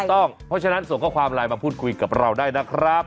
ถูกต้องเพราะฉะนั้นส่งข้อความไลน์มาพูดคุยกับเราได้นะครับ